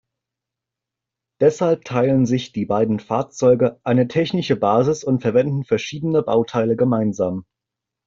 Deshalb teilen sich die beiden Fahrzeuge eine technische Basis und verwenden verschiedene Bauteile gemeinsam.